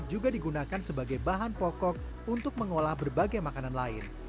juga digunakan sebagai bahan pokok untuk mengolah berbagai makanan lain